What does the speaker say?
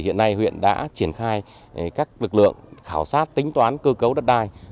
hiện nay huyện đã triển khai các lực lượng khảo sát tính toán cơ cấu đất đai